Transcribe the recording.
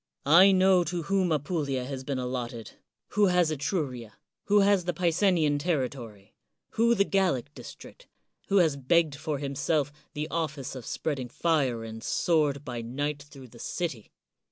I know to whom Apulia has been allotted, who has Etruria, who the Picenian territory, who the Gallic district, who has begged for himself the office of spreading fire and sword by night through the city.